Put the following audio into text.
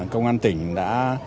công an tỉnh đã